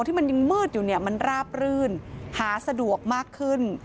ที่มันยังมืดอยู่เนี่ยมันราบรื่นหาสะดวกมากขึ้น